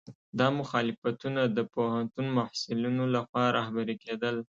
دا مخالفتونه د پوهنتون محصلینو لخوا رهبري کېدل.